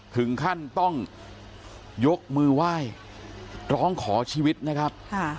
ถึงขั้นต้องยกมือไหว้ร้องขอชีวิตนะครับ